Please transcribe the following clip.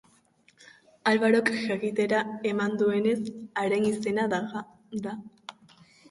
Alvarok jakitera eman duenez, haren izena Daga da.